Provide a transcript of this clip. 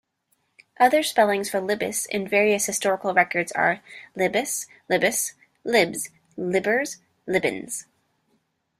Other spellings for Libbis in various historical records are: Libbas, Libbus, Libbs, Libbers, Libbens.